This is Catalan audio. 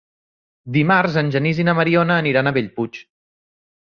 Dimarts en Genís i na Mariona aniran a Bellpuig.